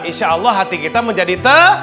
insya allah hati kita menjadi tak